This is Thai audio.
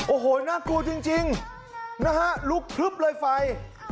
โอ้โหน่ากลัวจริงนะฮะลุกพลึบเลยไฟ